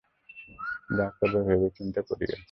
যা করবে ভেবেচিন্তে করিও।